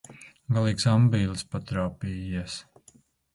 Galīgs ambīlis patrāpījies.